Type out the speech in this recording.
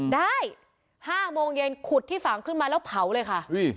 ได้๕โมงเย็นขุดที่ฝังขึ้นมาแล้วเผาเลยค่ะ